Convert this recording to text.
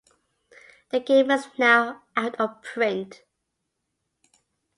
The game is now out of print.